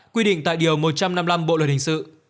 quy định tại điều một trăm năm mươi năm bộ luật hình sự